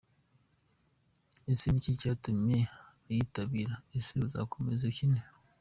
Ese niki cyatumye uyitabira? Ese uzakomeza ukine?.